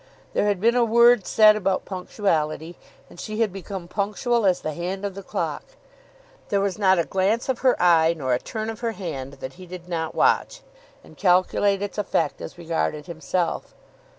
There had been a word said about punctuality, and she had become punctual as the hand of the clock. There was not a glance of her eye, nor a turn of her hand, that he did not watch, and calculate its effect as regarded himself.